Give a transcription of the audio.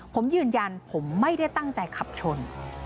ผมยืนยันผมไม่ได้ตั้งใจขับชน